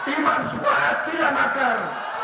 imam suhaid tidak makar